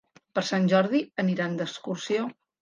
Per Sant Jordi aniran d'excursió.